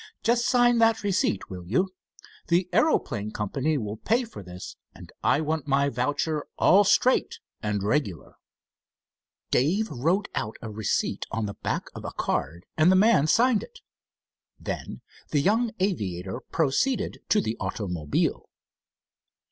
"Just sign that receipt, will you? The aeroplane company will pay for this, and I want my voucher all straight and regular." Dave wrote out a receipt on the back of a card and the man signed it. Then the young aviator proceeded to the automobile.